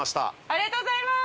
ありがとうございます！